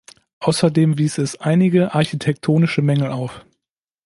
Außerdem wies es einige architektonische Mängel auf.